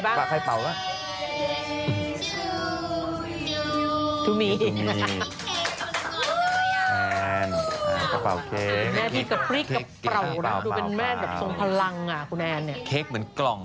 ดูสิดูมีใครบ้าง